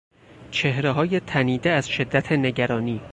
چهرههای تنیده از شدت نگرانی